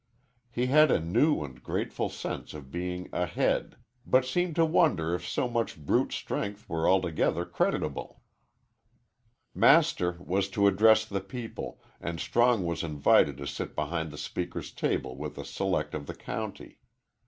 He had a new and grateful sense of being "ahead," but seemed to wonder if so much brute strength were altogether creditable. Master was to address the people, and Strong was invited to sit behind the speaker's table with the select of the county.